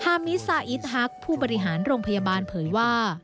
มิซาอิสฮักผู้บริหารโรงพยาบาลเผยว่า